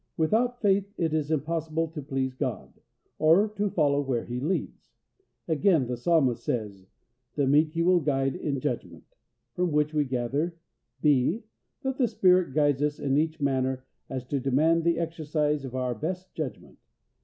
Without faith it is impossible to please God, or to follow where He leads. Again, the Psalmist says, "The meek will He guide in judgment," from which we gather: (b) That the Spirit guides us in such manner as to demand the exercise of our best judgment.